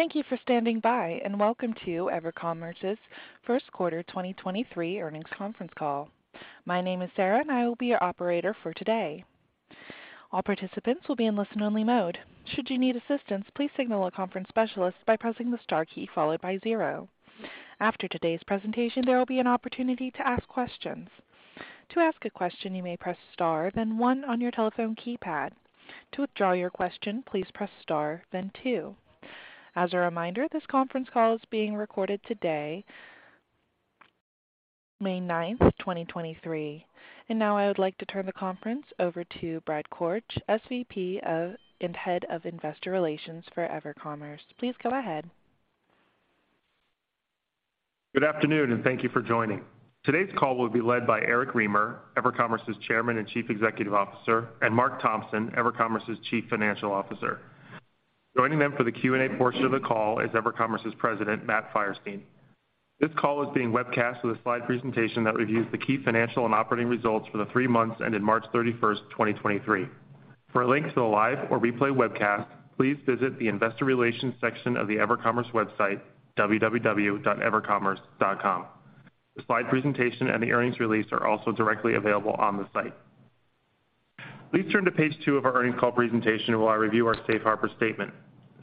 Thank you for standing by, welcome to EverCommerce's first quarter 2023 earnings conference call. My name is Sarah, I will be your operator for today. All participants will be in listen-only mode. Should you need assistance, please signal a conference specialist by pressing the star key followed by zero. After today's presentation, there will be an opportunity to ask questions. To ask a question, you may press star, then one on your telephone keypad. To withdraw your question, please press star, then two. As a reminder, this conference call is being recorded today, May 9, 2023. Now I would like to turn the conference over to Brad Korch, SVP of and Head of Investor Relations for EverCommerce. Please go ahead. Good afternoon, and thank you for joining. Today's call will be led by Eric Remer, EverCommerce's Chairman and Chief Executive Officer, and Marc Thompson, EverCommerce's Chief Financial Officer. Joining them for the Q&A portion of the call is EverCommerce's President, Matt Feierstein. This call is being webcast with a slide presentation that reviews the key financial and operating results for the three months ending March 31st, 2023. For a link to the live or replay webcast, please visit the investor relations section of the EverCommerce website, www.evercommerce.com. The slide presentation and the earnings release are also directly available on the site. Please turn to page two of our earnings call presentation while I review our safe harbor statement.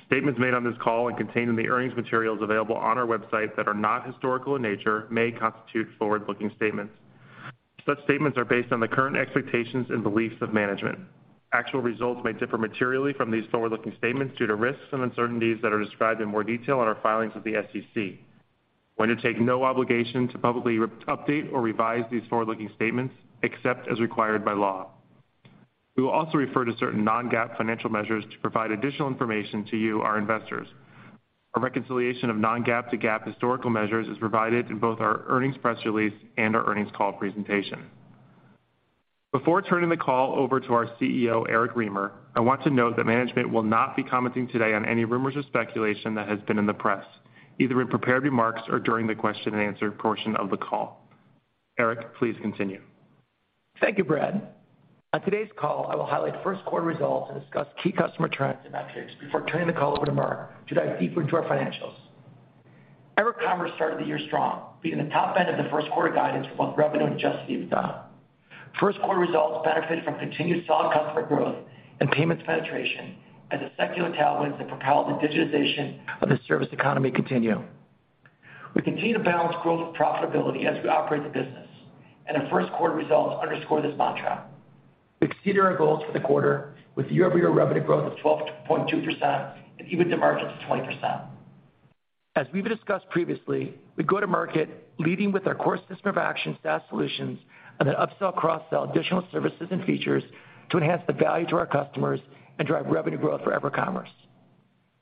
Statements made on this call and contained in the earnings materials available on our website that are not historical in nature may constitute forward-looking statements. Such statements are based on the current expectations and beliefs of management. Actual results may differ materially from these forward-looking statements due to risks and uncertainties that are described in more detail on our filings with the SEC. We're going to take no obligation to publicly update or revise these forward-looking statements except as required by law. We will also refer to certain non-GAAP financial measures to provide additional information to you, our investors. A reconciliation of non-GAAP to GAAP historical measures is provided in both our earnings press release and our earnings call presentation. Before turning the call over to our CEO, Eric Remer, I want to note that management will not be commenting today on any rumors or speculation that has been in the press, either in prepared remarks or during the question and answer portion of the call. Eric, please continue. Thank you, Brad. On today's call, I will highlight first quarter results and discuss key customer trends and metrics before turning the call over to Marc to dive deeper into our financials. EverCommerce started the year strong, being in the top end of the first quarter guidance for both revenue and adjusted EBITDA. First quarter results benefited from continued solid customer growth and payments penetration as the secular tailwinds that propelled the digitization of the service economy continue. We continue to balance growth and profitability as we operate the business. The first quarter results underscore this mantra. We exceeded our goals for the quarter with year-over-year revenue growth of 12.2% and EBITDA margins of 20%. As we've discussed previously, we go to market leading with our core system of action SaaS solutions and then upsell, cross-sell additional services and features to enhance the value to our customers and drive revenue growth for EverCommerce.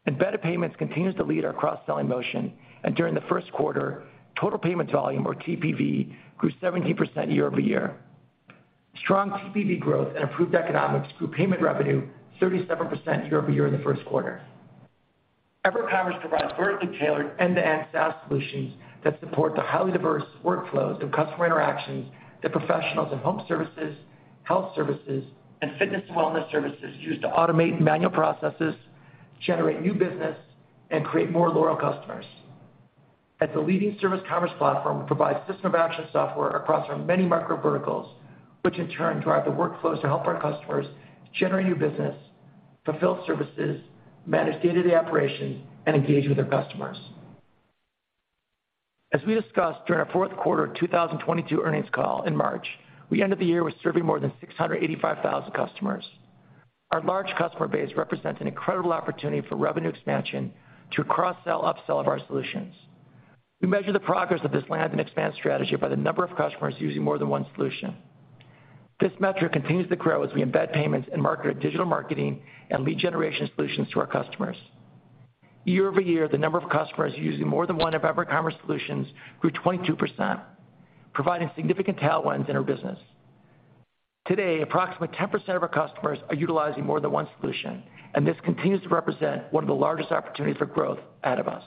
Embedded payments continues to lead our cross-selling motion, and during the first quarter, total payment volume, or TPV, grew 17% year-over-year. Strong TPV growth and improved economics grew payment revenue 37% year-over-year in the first quarter. EverCommerce provides vertically tailored end-to-end SaaS solutions that support the highly diverse workflows and customer interactions that professionals in home services, health services, and fitness and wellness services use to automate manual processes, generate new business, and create more loyal customers. As a leading service commerce platform, we provide system of action software across our many micro verticals, which in turn drive the workflows to help our customers generate new business, fulfill services, manage day-to-day operations, and engage with their customers. As we discussed during our fourth quarter 2022 earnings call in March, we ended the year with serving more than 685,000 customers. Our large customer base represents an incredible opportunity for revenue expansion to cross-sell, upsell of our solutions. We measure the progress of this land and expand strategy by the number of customers using more than one solution. This metric continues to grow as we embed payments and market our digital marketing and lead generation solutions to our customers. Year-over-year, the number of customers using more than one of EverCommerce solutions grew 22%, providing significant tailwinds in our business. Today, approximately 10% of our customers are utilizing more than one solution. This continues to represent one of the largest opportunities for growth out of us.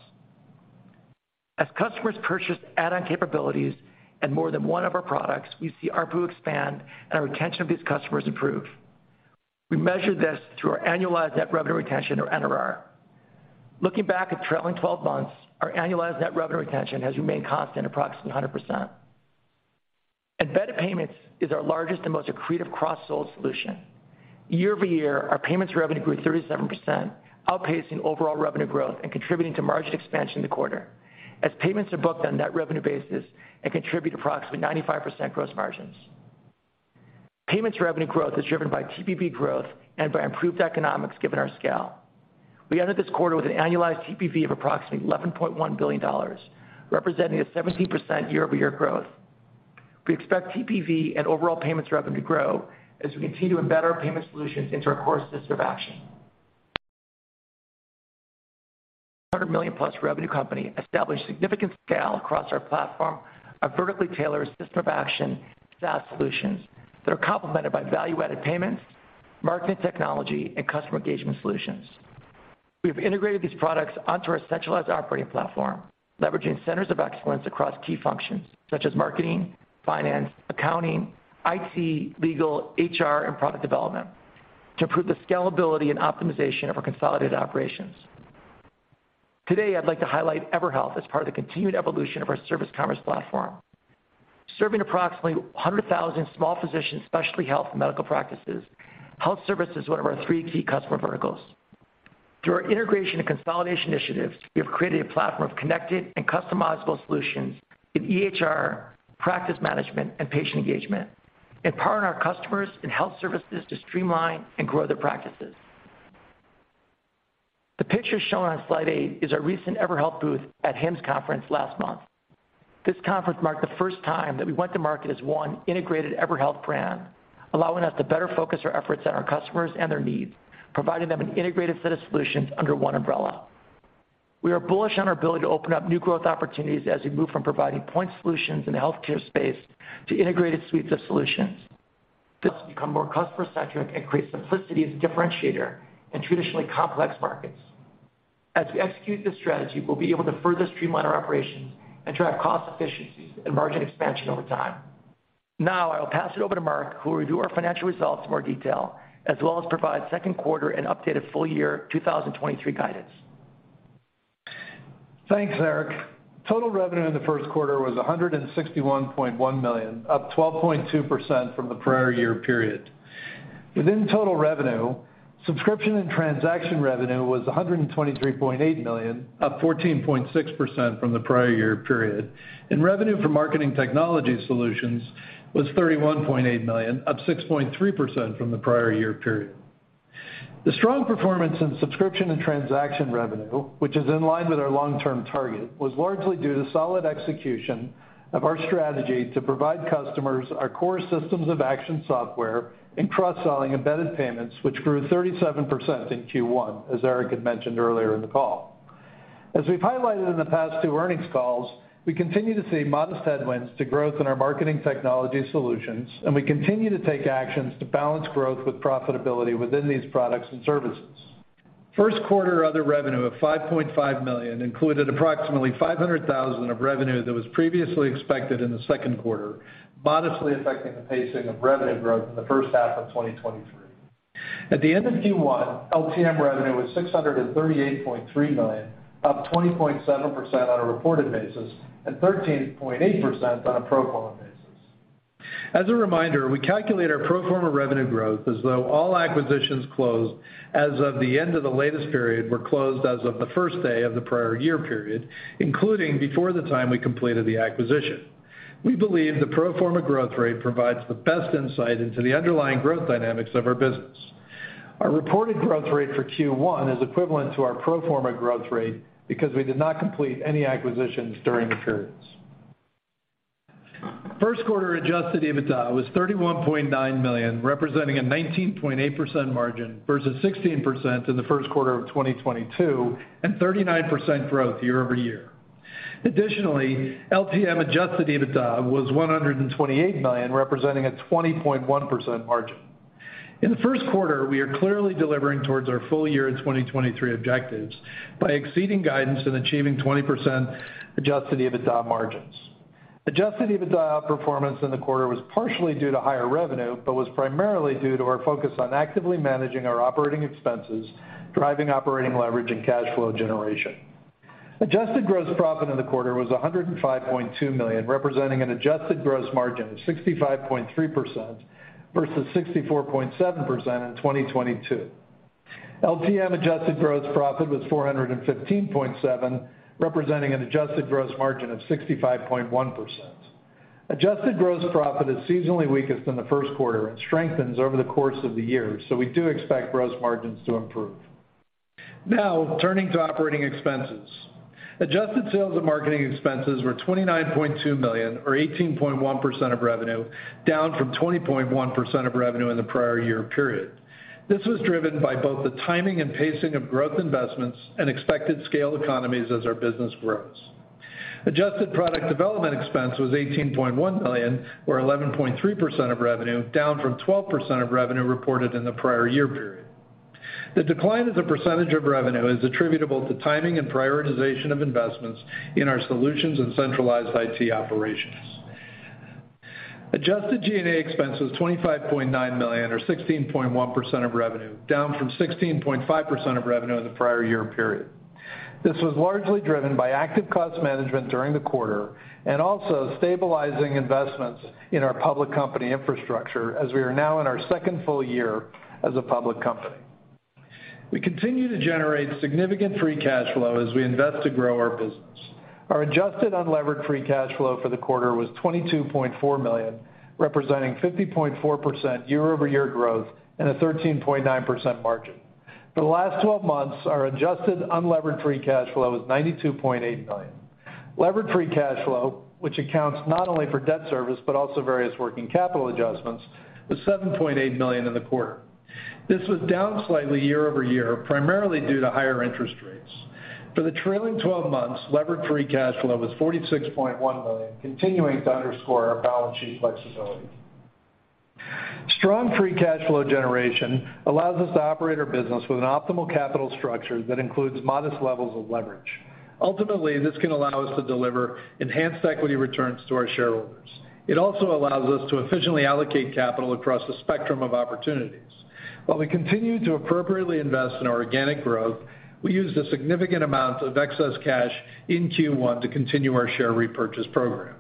As customers purchase add-on capabilities and more than one of our products, we see ARPU expand and our retention of these customers improve. We measure this through our annualized net revenue retention, or NRR. Looking back at the trailing 12 months, our annualized net revenue retention has remained constant approximately 100%. Embedded payments is our largest and most accretive cross-sold solution. Year-over-year, our payments revenue grew 37%, outpacing overall revenue growth and contributing to margin expansion in the quarter as payments are booked on net revenue basis and contribute approximately 95% gross margins. Payments revenue growth is driven by TPV growth and by improved economics given our scale. We ended this quarter with an annualized TPV of approximately $11.1 billion, representing a 17% year-over-year growth. We expect TPV and overall payments revenue to grow as we continue to embed our payment solutions into our core system of action. A $100 million-plus revenue company established significant scale across our platform, our vertically tailored system of action SaaS solutions that are complemented by value-added payments, Marketing Technology, and customer engagement solutions. We've integrated these products onto our centralized operating platform, leveraging centers of excellence across key functions such as marketing, finance, accounting, IT, legal, HR, and product development to improve the scalability and optimization of our consolidated operations. Today, I'd like to highlight EverHealth as part of the continued evolution of our service commerce platform. Serving approximately 100,000 small physician specialty health and medical practices, health service is one of our three key customer verticals. Through our integration and consolidation initiatives, we have created a platform of connected and customizable solutions in EHR, practice management, and patient engagement, empowering our customers in health services to streamline and grow their practices. The picture shown on slide eight is our recent EverHealth booth at HIMSS Conference last month. This conference marked the first time that we went to market as one integrated EverHealth brand, allowing us to better focus our efforts on our customers and their needs, providing them an integrated set of solutions under one umbrella. We are bullish on our ability to open up new growth opportunities as we move from providing point solutions in the healthcare space to integrated suites of solutions. This become more customer-centric and creates simplicity as a differentiator in traditionally complex markets. As we execute this strategy, we'll be able to further streamline our operations and drive cost efficiencies and margin expansion over time. Now, I will pass it over to Marc, who will review our financial results in more detail, as well as provide second quarter and updated full year 2023 guidance. Thanks, Eric. Total revenue in the first quarter was $161.1 million, up 12.2% from the prior year period. Within total revenue, subscription and transaction revenue was $123.8 million, up 14.6% from the prior year period. Revenue for Marketing Technology solutions was $31.8 million, up 6.3% from the prior year period. The strong performance in subscription and transaction revenue, which is in line with our long-term target, was largely due to solid execution of our strategy to provide customers our core systems of action software and cross-selling embedded payments, which grew 37% in Q1, as Eric had mentioned earlier in the call. As we've highlighted in the past two earnings calls, we continue to see modest headwinds to growth in our Marketing Technology solutions, and we continue to take actions to balance growth with profitability within these products and services. First quarter other revenue of $5.5 million included approximately $500,000 of revenue that was previously expected in the second quarter, modestly affecting the pacing of revenue growth in the first half of 2023. At the end of Q1, LTM revenue was $638.3 million, up 20.7% on a reported basis and 13.8% on a pro forma basis. As a reminder, we calculate our pro forma revenue growth as though all acquisitions closed as of the end of the latest period were closed as of the first day of the prior year period, including before the time we completed the acquisition. We believe the pro forma growth rate provides the best insight into the underlying growth dynamics of our business. Our reported growth rate for Q1 is equivalent to our pro forma growth rate because we did not complete any acquisitions during the periods. First quarter adjusted EBITDA was $31.9 million, representing a 19.8% margin versus 16% in the first quarter of 2022, and 39% growth year-over-year. LTM adjusted EBITDA was $128 million, representing a 20.1% margin. In the first quarter, we are clearly delivering towards our full year in 2023 objectives by exceeding guidance and achieving 20% adjusted EBITDA margins. Adjusted EBITDA performance in the quarter was partially due to higher revenue, was primarily due to our focus on actively managing our operating expenses, driving operating leverage and cash flow generation. Adjusted gross profit in the quarter was $105.2 million, representing an adjusted gross margin of 65.3% versus 64.7% in 2022. LTM adjusted gross profit was $415.7 million, representing an adjusted gross margin of 65.1%. Adjusted gross profit is seasonally weakest in the first quarter and strengthens over the course of the year, we do expect gross margins to improve. Turning to operating expenses. Adjusted sales and marketing expenses were $29.2 million or 18.1% of revenue, down from 20.1% of revenue in the prior year period. This was driven by both the timing and pacing of growth investments and expected scale economies as our business grows. Adjusted product development expense was $18.1 million or 11.3% of revenue, down from 12% of revenue reported in the prior year period. The decline as a percentage of revenue is attributable to timing and prioritization of investments in our solutions and centralized IT operations. Adjusted G&A expense was $25.9 million or 16.1% of revenue, down from 16.5% of revenue in the prior year period. This was largely driven by active cost management during the quarter and also stabilizing investments in our public company infrastructure as we are now in our second full year as a public company. We continue to generate significant free cash flow as we invest to grow our business. Our adjusted unlevered free cash flow for the quarter was $22.4 million, representing 50.4% year-over-year growth and a 13.9% margin. For the last 12 months, our adjusted unlevered free cash flow was $92.8 million. Levered free cash flow, which accounts not only for debt service, but also various working capital adjustments, was $7.8 million in the quarter. This was down slightly year-over-year, primarily due to higher interest rates. For the trailing 12 months, levered free cash flow was $46.1 million, continuing to underscore our balance sheet flexibility. Strong free cash flow generation allows us to operate our business with an optimal capital structure that includes modest levels of leverage. Ultimately, this can allow us to deliver enhanced equity returns to our shareholders. It also allows us to efficiently allocate capital across the spectrum of opportunities. While we continue to appropriately invest in our organic growth, we used a significant amount of excess cash in Q1 to continue our share repurchase program.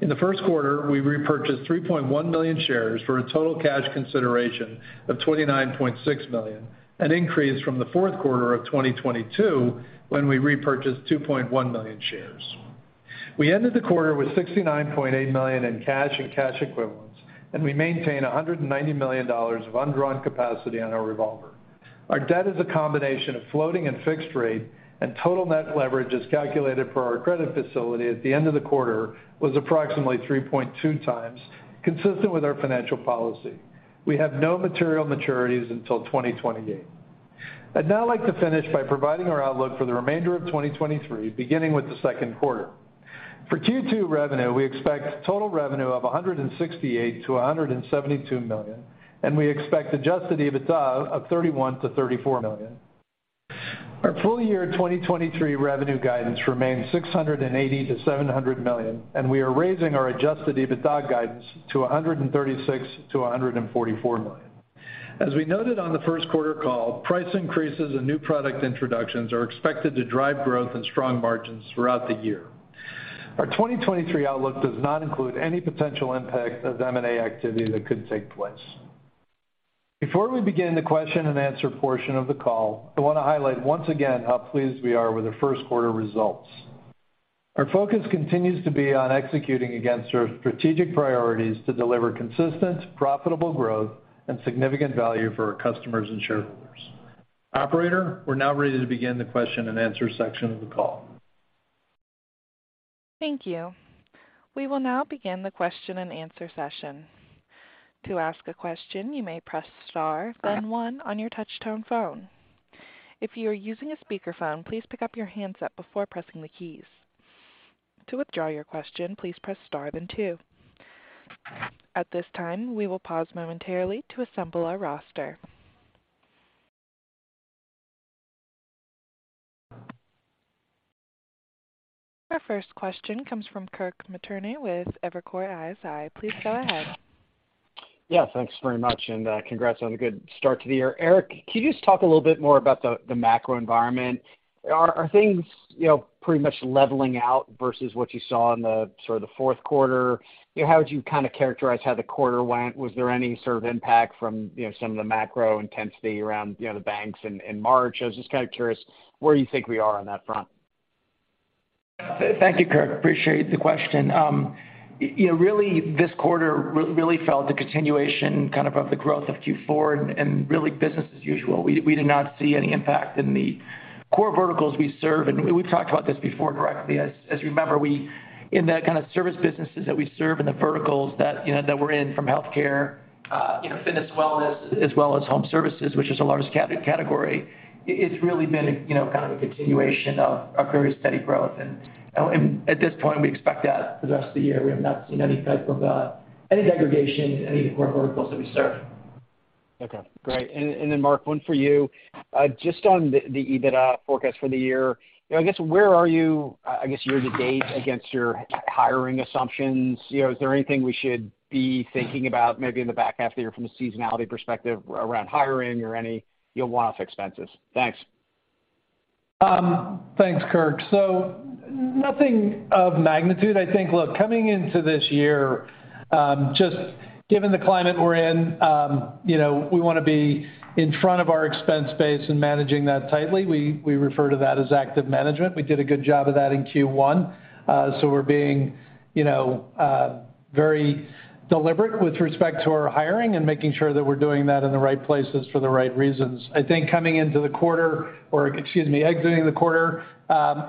In the first quarter, we repurchased 3.1 million shares for a total cash consideration of $29.6 million, an increase from the fourth quarter of 2022 when we repurchased 2.1 million shares. We ended the quarter with $69.8 million in cash and cash equivalents. We maintain $190 million of undrawn capacity on our revolver. Our debt is a combination of floating and fixed rate. Total net leverage, as calculated for our credit facility at the end of the quarter, was approximately 3.2x, consistent with our financial policy. We have no material maturities until 2028. I'd now like to finish by providing our outlook for the remainder of 2023, beginning with the second quarter. For Q2 revenue, we expect total revenue of $168 million-$172 million. We expect adjusted EBITDA of $31 million-$34 million. Our full year 2023 revenue guidance remains $680 million-$700 million. We are raising our adjusted EBITDA guidance to $136 million-$144 million. We noted on the first quarter call, price increases and new product introductions are expected to drive growth and strong margins throughout the year. Our 2023 outlook does not include any potential impact of M&A activity that could take place. Before we begin the question-and-answer portion of the call, I wanna highlight once again how pleased we are with our first quarter results. Our focus continues to be on executing against our strategic priorities to deliver consistent, profitable growth and significant value for our customers and shareholders. Operator, we're now ready to begin the question-and-answer section of the call. Thank you. We will now begin the question-and-answer session. To ask a question, you may press star then one on your touchtone phone. If you are using a speakerphone, please pick up your handset before pressing the keys. To withdraw your question, please press star then two. At this time, we will pause momentarily to assemble our roster. Our first question comes from Kirk Materne with Evercore ISI. Please go ahead. Yeah, thanks very much, and congrats on a good start to the year. Eric, can you just talk a little bit more about the macro environment? Are things, you know, pretty much leveling out versus what you saw in the sort of the fourth quarter? You know, how would you kinda characterize how the quarter went? Was there any sort of impact from, you know, some of the macro intensity around, you know, the banks in March? I was just kinda curious where you think we are on that front. Thank you, Kirk. Appreciate the question. you know, really, this quarter really felt the continuation kind of of the growth of Q4 and really business as usual. We did not see any impact in the core verticals we serve. We've talked about this before directly. As you remember, we in the kind of service businesses that we serve and the verticals that, you know, that we're in from healthcare, you know, fitness, wellness, as well as home services, which is the largest category, it's really been a, you know, kind of a continuation of a very steady growth. At this point, we expect that for the rest of the year. We have not seen any type of any degradation in any of the core verticals that we serve. Okay, great. Marc, one for you. Just on the EBITDA forecast for the year, you know, I guess, where are you, year to date against your hiring assumptions? You know, is there anything we should be thinking about maybe in the back half of the year from a seasonality perspective around hiring or any, you know, one-off expenses? Thanks. Thanks, Kirk. Nothing of magnitude. I think, look, coming into this year, just given the climate we're in, you know, we wanna be in front of our expense base and managing that tightly. We refer to that as active management. We did a good job of that in Q1. We're being, you know, very deliberate with respect to our hiring and making sure that we're doing that in the right places for the right reasons. I think coming into the quarter or, excuse me, exiting the quarter,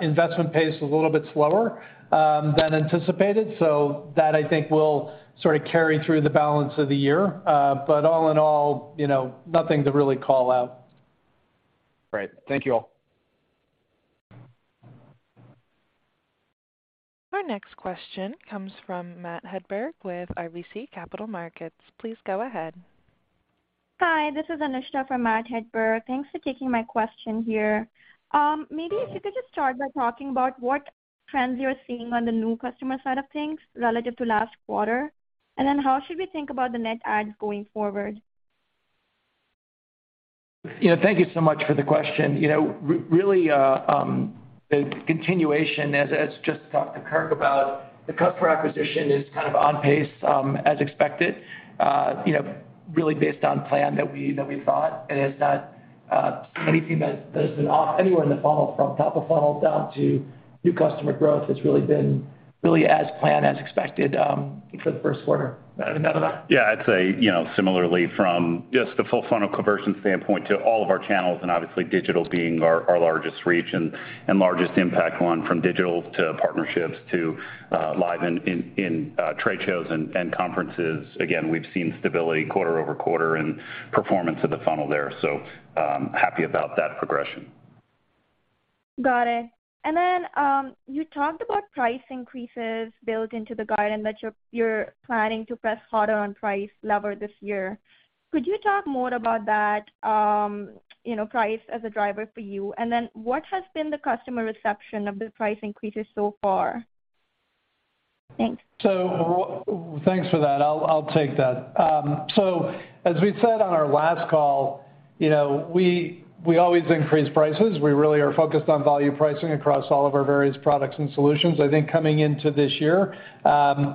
investment pace was a little bit slower, than anticipated, so that I think will sort of carry through the balance of the year. All in all, you know, nothing to really call out. Great. Thank you all. Our next question comes from Matt Hedberg with RBC Capital Markets. Please go ahead. Hi, this is Anushtha for Matt Hedberg. Thanks for taking my question here. Maybe if you could just start by talking about what trends you're seeing on the new customer side of things relative to last quarter, and then how should we think about the net adds going forward? You know, thank you so much for the question. You know, really, the continuation as just talked to Kirk about the customer acquisition is kind of on pace, as expected, you know, really based on plan that we thought. It has not seen anything that has been off anywhere in the funnel from top of funnel down to new customer growth. It's really been really as planned, as expected, for the first quarter. Matt, anything to add to that? I'd say, you know, similarly from just the full funnel conversion standpoint to all of our channels and obviously digital being our largest reach and largest impact one from digital to partnerships to live in trade shows and conferences. We've seen stability quarter-over-quarter and performance of the funnel there. Happy about that progression. Got it. You talked about price increases built into the guidance that you're planning to press harder on price lever this year. Could you talk more about that, you know, price as a driver for you? What has been the customer reception of the price increases so far? Thanks for that. I'll take that. As we said on our last call, you know, we always increase prices. We really are focused on value pricing across all of our various products and solutions. I think coming into this year,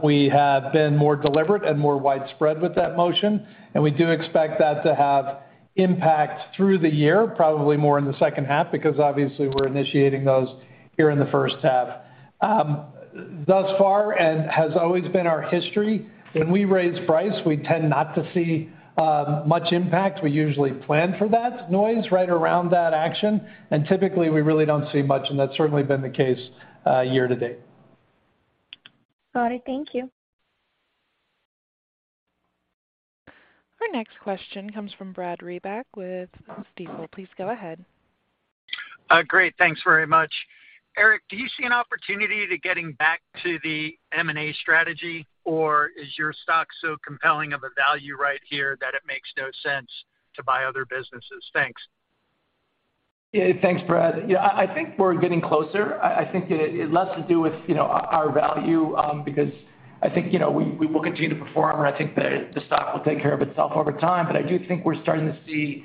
we have been more deliberate and more widespread with that motion, and we do expect that to have impact through the year, probably more in the second half, because obviously we're initiating those here in the first half. Thus far, and has always been our history, when we raise price, we tend not to see much impact. We usually plan for that noise right around that action, and typically, we really don't see much, and that's certainly been the case year-to-date. All right. Thank you. Our next question comes from Brad Reback with Stifel. Please go ahead. Great. Thanks very much. Eric, do you see an opportunity to getting back to the M&A strategy, or is your stock so compelling of a value right here that it makes no sense to buy other businesses? Thanks. Yeah. Thanks, Brad. Yeah. I think we're getting closer. I think it has less to do with, you know, our value, because I think, you know, we will continue to perform, and I think the stock will take care of itself over time. I do think we're starting to see,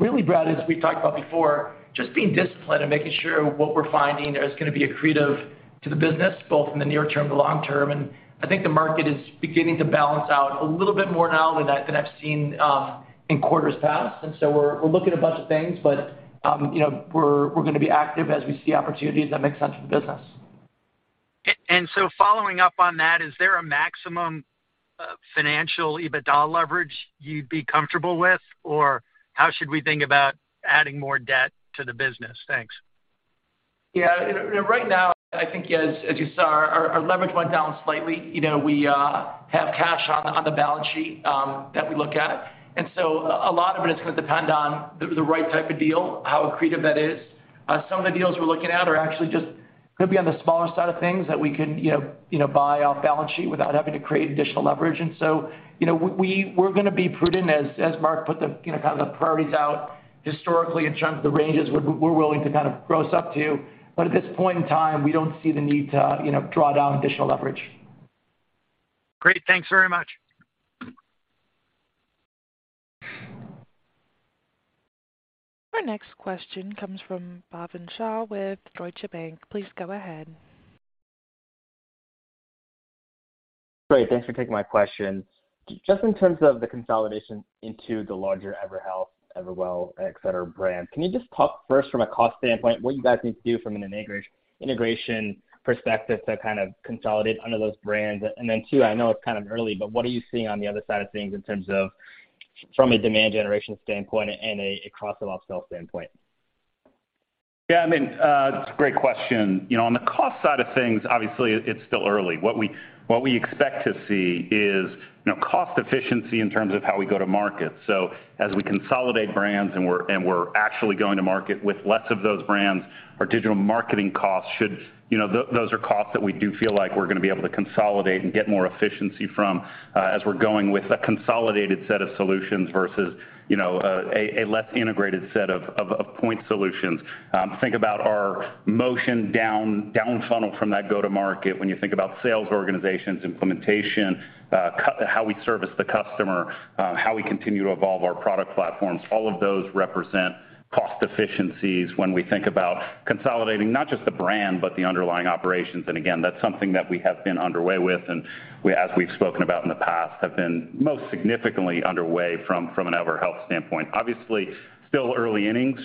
really, Brad, as we've talked about before, just being disciplined and making sure what we're finding is gonna be accretive to the business, both in the near term and the long term. I think the market is beginning to balance out a little bit more now than I've seen, in quarters past. We're looking at a bunch of things, but, you know, we're gonna be active as we see opportunities that make sense for the business. Following up on that, is there a maximum, financial EBITDA leverage you'd be comfortable with, or how should we think about adding more debt to the business? Thanks. Yeah. You know, right now I think as you saw, our leverage went down slightly. You know, we have cash on the balance sheet that we look at. So a lot of it is gonna depend on the right type of deal, how accretive that is. Some of the deals we're looking at are actually just could be on the smaller side of things that we can, you know, buy off balance sheet without having to create additional leverage. So, you know, we're gonna be prudent, as Marc put the, you know, kind of the priorities out historically in terms of the ranges we're willing to kind of gross up to. At this point in time, we don't see the need to, you know, draw down additional leverage. Great. Thanks very much. Our next question comes from Bhavin Shah with Deutsche Bank. Please go ahead. Great. Thanks for taking my questions. Just in terms of the consolidation into the larger EverHealth, EverWell, et cetera, brand, can you just talk first from a cost standpoint, what you guys need to do from an integration perspective to kind of consolidate under those brands? Two, I know it's kind of early, but what are you seeing on the other side of things in terms of from a demand generation standpoint and a cross-sell standpoint? Yeah, I mean, it's a great question. You know, on the cost side of things, obviously it's still early. What we expect to see is, you know, cost efficiency in terms of how we go to market. As we consolidate brands and we're actually going to market with less of those brands, our digital marketing costs should. Those are costs that we do feel like we're going to be able to consolidate and get more efficiency from, as we're going with a consolidated set of solutions versus, you know, a less integrated set of point solutions. Think about our motion down funnel from that go-to-market when you think about sales organizations, implementation, how we service the customer, how we continue to evolve our product platforms. All of those represent cost efficiencies when we think about consolidating not just the brand, but the underlying operations. Again, that's something that we have been underway with, as we've spoken about in the past, have been most significantly underway from an EverHealth standpoint. Still early innings.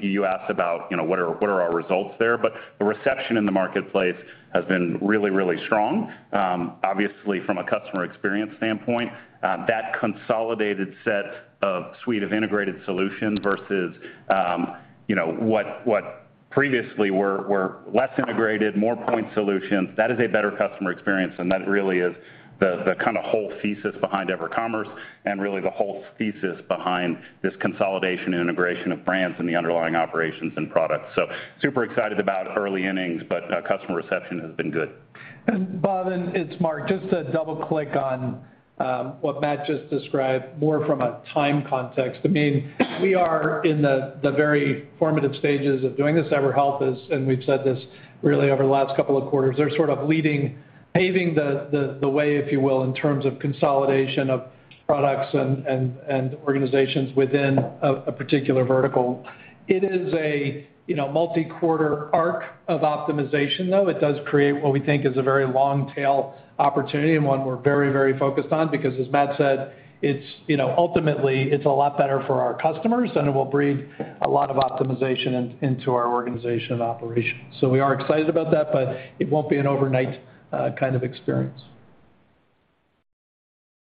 You asked about, you know, what are our results there, the reception in the marketplace has been really, really strong. From a customer experience standpoint, that consolidated set of suite of integrated solutions versus, you know, what previously were less integrated, more point solutions, that is a better customer experience, and that really is the kind of whole thesis behind EverCommerce and really the whole thesis behind this consolidation and integration of brands and the underlying operations and products. Super excited about early innings, but, customer reception has been good. Bhavin, it's Marc. Just to double-click on what Matt just described, more from a time context. I mean, we are in the very formative stages of doing this. EverHealth is, and we've said this really over the last two quarters, they're sort of leading, paving the way, if you will, in terms of consolidation of products and organizations within a particular vertical. It is a, you know, multi-quarter arc of optimization, though. It does create what we think is a very long tail opportunity and one we're very, very focused on because as Matt said, it's, you know, ultimately it's a lot better for our customers, and it will breed a lot of optimization into our organization and operations. We are excited about that, but it won't be an overnight kind of experience.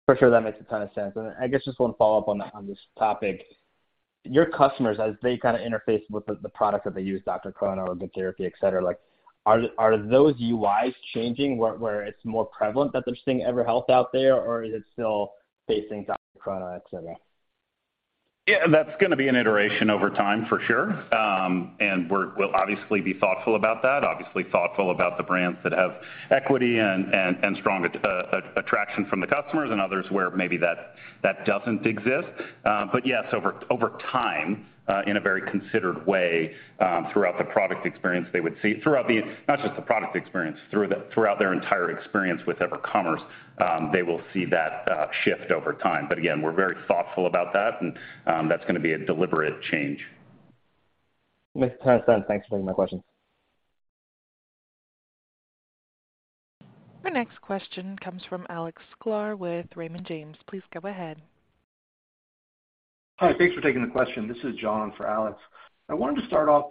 For sure. That makes a ton of sense. I guess just one follow-up on this topic. Your customers, as they kind of interface with the product that they use, DrChrono or GoodTherapy, etc., like, are those UIs changing where it's more prevalent that they're seeing EverHealth out there, or is it still facing DrChrono, etc.? Yeah, that's gonna be an iteration over time for sure. We'll obviously be thoughtful about that, obviously thoughtful about the brands that have equity and, and strong attraction from the customers and others where maybe that doesn't exist. Yes, over time, in a very considered way, throughout the product experience, they would see. Not just the product experience, throughout their entire experience with EverCommerce, they will see that shift over time. Again, we're very thoughtful about that, and that's gonna be a deliberate change. Thanks, Matt. Thanks for taking my questions. Our next question comes from Alex Sklar with Raymond James. Please go ahead. Hi. Thanks for taking the question. This is John for Alex. I wanted to start off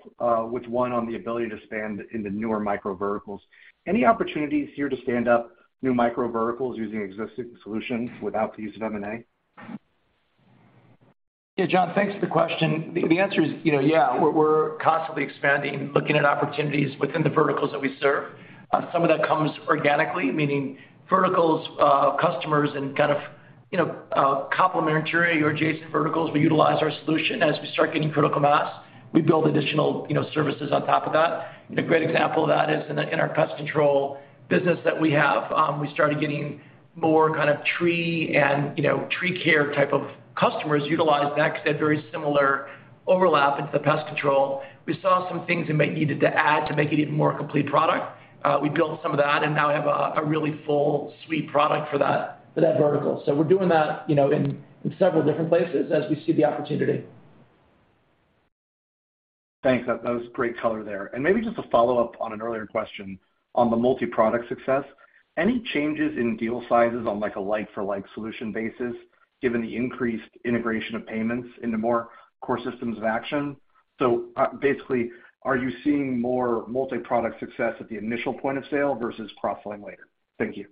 with one on the ability to expand into newer micro verticals. Any opportunities here to stand up new micro verticals using existing solutions without the use of M&A? Yeah, John, thanks for the question. The answer is, you know, yeah, we're constantly expanding, looking at opportunities within the verticals that we serve. Some of that comes organically, meaning verticals, customers and kind of, you know, complimentary or adjacent verticals will utilize our solution as we start getting critical mass. We build additional, you know, services on top of that. A great example of that is in our pest control business that we have, we started getting more kind of tree and, you know, tree care type of customers utilize that 'cause they had very similar overlap into the pest control. We saw some things that might needed to add to make it even more complete product. We built some of that and now have a really full suite product for that vertical. We're doing that, you know, in several different places as we see the opportunity. Thanks. That was great color there. Maybe just a follow-up on an earlier question on the multiproduct success. Any changes in deal sizes on, like, a like for like solution basis given the increased integration of payments into more core systems of action? Basically, are you seeing more multiproduct success at the initial point of sale versus cross-selling later? Thank you.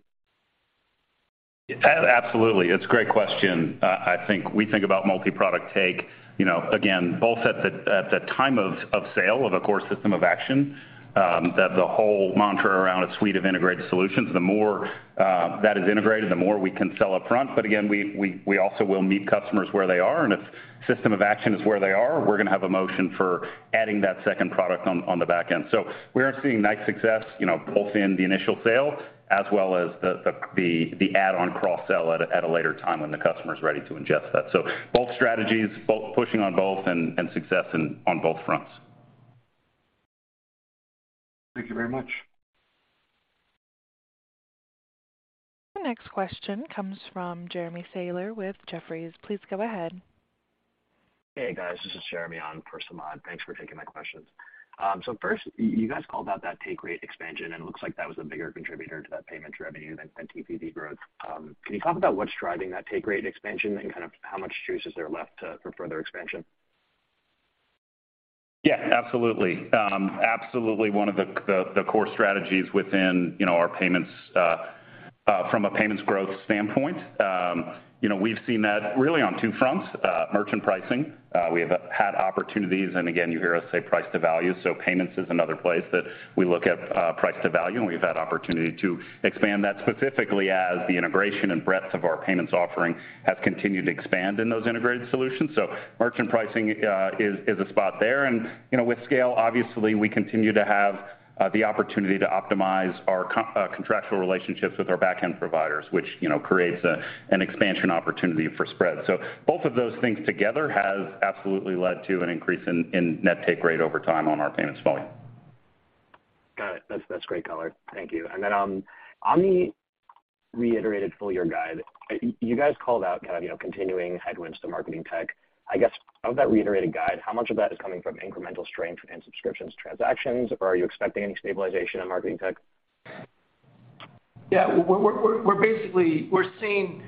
Absolutely. It's a great question. I think we think about multiproduct take, you know, again, both at the time of sale of a core system of action, that the whole mantra around a suite of integrated solutions, the more that is integrated, the more we can sell up front. Again, we also will meet customers where they are, and if system of action is where they are, we're gonna have a motion for adding that second product on the back end. We are seeing nice success, you know, both in the initial sale as well as the add on cross sell at a later time when the customer's ready to ingest that. Both strategies, both pushing on both and success on both fronts. Thank you very much. The next question comes from Jeremy Sahler with Jefferies. Please go ahead. Hey, guys. This is Jeremy on for Samad. Thanks for taking my questions. First, you guys called out that take rate expansion, and it looks like that was a bigger contributor to that payment revenue than TPV growth. Can you talk about what's driving that take rate expansion and kind of how much juice is there left to, for further expansion? Yeah, absolutely. Absolutely one of the core strategies within, you know, our payments, from a payments growth standpoint. You know, we've seen that really on two fronts. Merchant pricing, we have had opportunities and again, you hear us say price to value, so payments is another place that we look at, price to value, and we've had opportunity to expand that specifically as the integration and breadth of our payments offering have continued to expand in those integrated solutions. Merchant pricing is a spot there. You know, with scale, obviously, we continue to have the opportunity to optimize our contractual relationships with our backend providers, which, you know, creates an expansion opportunity for spread. Both of those things together has absolutely led to an increase in net take rate over time on our payments volume. Got it. That's great color. Thank you. Then, on the reiterated full year guide, you guys called out kind of, you know, continuing headwinds to MarTech. I guess of that reiterated guide, how much of that is coming from incremental strength in subscriptions transactions, or are you expecting any stabilization in MarTech? Yeah. We're basically, we're seeing.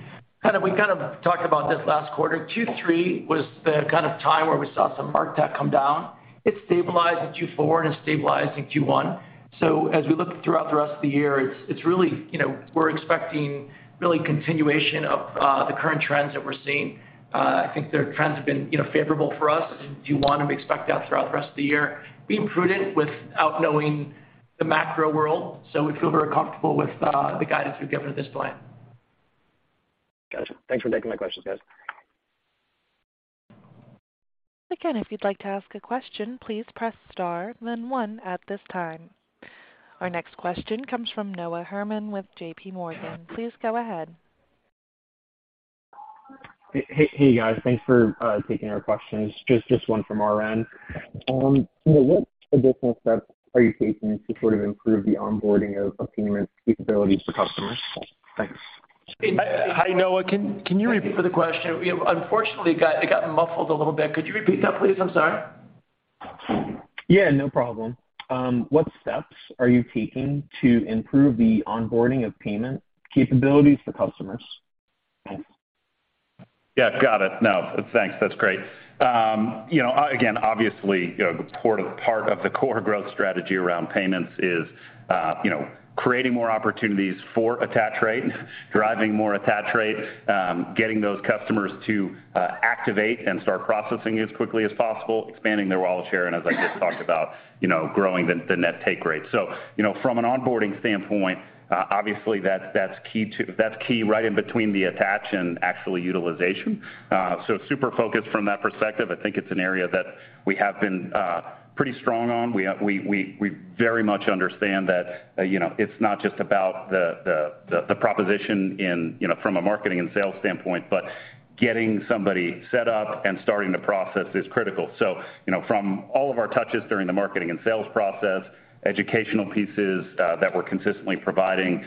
We kind of talked about this last quarter. Q3 was the kind of time where we saw some MarTech come down. It stabilized in Q4 and it stabilized in Q1. As we look throughout the rest of the year, it's really, you know, we're expecting really continuation of the current trends that we're seeing. I think their trends have been, you know, favorable for us in Q1, and we expect that throughout the rest of the year. Being prudent without knowing the macro world, we feel very comfortable with the guidance we've given at this point. Got it. Thanks for taking my questions, guys. If you'd like to ask a question, please press star then one at this time. Our next question comes from Noah Herman with JPMorgan. Please go ahead. Hey, guys. Thanks for taking our questions. Just one from our end. What additional steps are you taking to sort of improve the onboarding of payment capabilities for customers? Thanks. Hi, Noah. Can you. Thank you for the question. We have unfortunately it got muffled a little bit. Could you repeat that, please? I'm sorry. Yeah, no problem. What steps are you taking to improve the onboarding of payment capabilities for customers? Thanks. Yeah, got it. No, thanks. That's great. You know, again, obviously, you know, the part of the core growth strategy around payments is, you know, creating more opportunities for attach rate, driving more attach rate, getting those customers to activate and start processing as quickly as possible, expanding their wallet share, and as I just talked about, you know, growing the net take rate. So, you know, from an onboarding standpoint, obviously, that's key right in between the attach and actually utilization. So super focused from that perspective. I think it's an area that we have been pretty strong on. We very much understand that, you know, it's not just about the proposition in, you know, from a marketing and sales standpoint, but getting somebody set up and starting to process is critical. You know, from all of our touches during the marketing and sales process, educational pieces that we're consistently providing,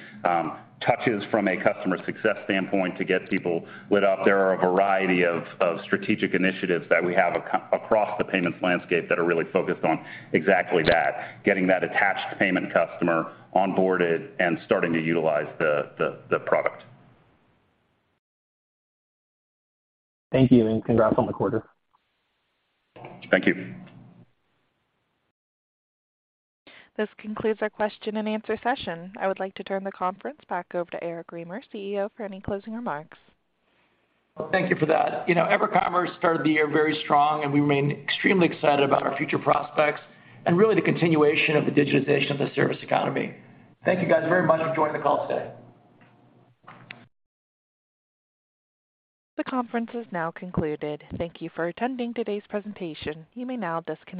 touches from a customer success standpoint to get people lit up, there are a variety of strategic initiatives that we have across the payments landscape that are really focused on exactly that, getting that attached payment customer onboarded and starting to utilize the product. Thank you, and congrats on the quarter. Thank you. This concludes our question and answer session. I would like to turn the conference back over to Eric Remer, CEO, for any closing remarks. Well, thank you for that. You know, EverCommerce started the year very strong, we remain extremely excited about our future prospects and really the continuation of the digitization of the service economy. Thank you, guys, very much for joining the call today. The conference is now concluded. Thank you for attending today's presentation. You may now disconnect.